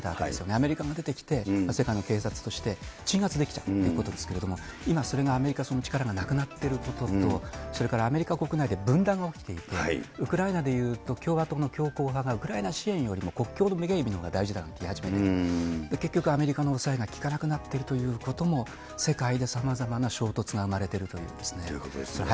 アメリカが出てきて、世界の警察として鎮圧できちゃったということですけれども、今、それがアメリカ、その力がなくなっていることと、それからアメリカ国内で分断が起きていて、ウクライナでいうと、共和党の強硬派がウクライナ支援よりも国境の警備のほうが大事だと、結局、アメリカの抑えが利かなくなっているということも、世界でさまざまな衝突が生まれているというね。